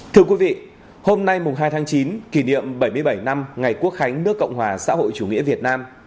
thưa quý vị hôm nay hai tháng chín kỷ niệm bảy mươi bảy năm ngày quốc khánh nước cộng hòa xã hội chủ nghĩa việt nam